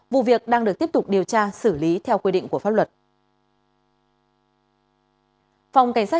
vụ việc đang được tiếp tục điều tra xử lý theo quy định của pháp luật